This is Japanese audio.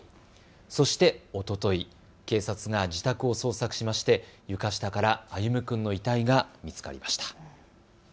そして、おととい、警察が自宅を捜索しまして床下から歩夢君の遺体が見つかりました。